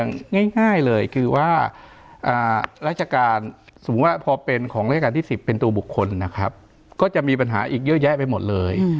ง่ายเลยคือว่าราชการสมมุติว่าพอเป็นของราชการที่๑๐เป็นตัวบุคคลนะครับก็จะมีปัญหาอีกเยอะแยะไปหมดเลย